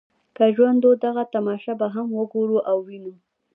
که ژوندي وو دغه تماشه به هم وګورو او وینو.